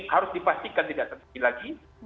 harus dipastikan tidak terjadi lagi